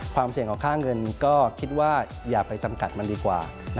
ความเสี่ยงของค่าเงินก็คิดว่าอย่าไปจำกัดมันดีกว่า